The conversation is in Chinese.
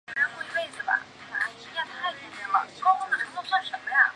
该列车的名称显然是来自十月革命时炮击冬宫的阿芙乐尔号巡洋舰。